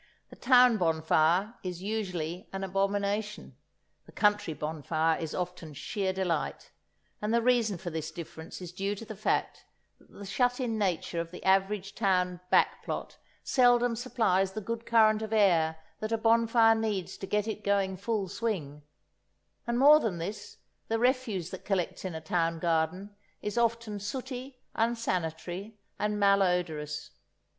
The town bonfire is usually an abomination; the country bonfire is often sheer delight; and the reason for this difference is due to the fact that the shut in nature of the average town back plot seldom supplies the good current of air that a bonfire needs to get it going full swing; and more than this, the refuse that collects in a town garden is often sooty, unsanitary and malodorous.